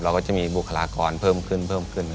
ก็จะมีบุคลากรเพิ่มขึ้นเพิ่มขึ้น